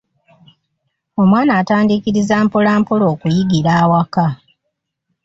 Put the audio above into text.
Omwana atandiikiriza mpola mpola okuyigira awaka.